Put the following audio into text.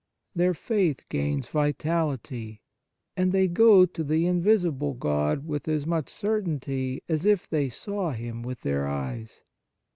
Their faith gains vitality, and they go to the invisible God with as much certainty as if they saw Him with their eyes.